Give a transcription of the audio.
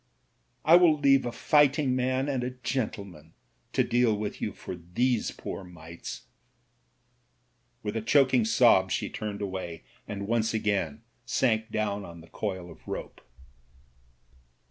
"I will leave a fighting man and a gentleman to deal with you for those poor mites." With a choking sob she turned away, and once again sank down on the coil of rope.